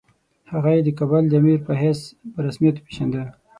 هغه یې د کابل د امیر په حیث په رسمیت وپېژانده.